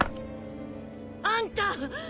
あんた！